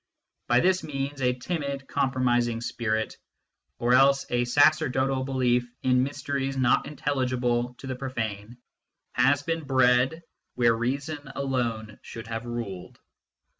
By this means, a timid, compromising spirit, or else a sacer dotal belief in mysteries not intelligible to the profane, has been bred where reason alone should have ruled.